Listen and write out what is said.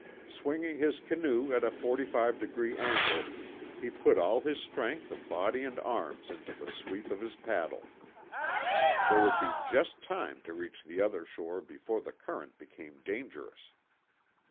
Swinging his canoe at a 45 degree angle he put all the strength of body and arms into the sweep of his paddle. There would be just time to reach the other shore before the current became dangerous.